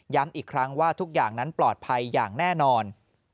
อีกครั้งว่าทุกอย่างนั้นปลอดภัยอย่างแน่นอน